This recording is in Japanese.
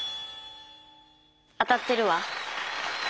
当たってるわ。